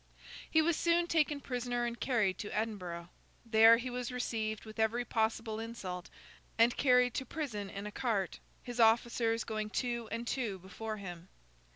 He was soon taken prisoner and carried to Edinburgh. There he was received with every possible insult, and carried to prison in a cart, his officers going two and two before him.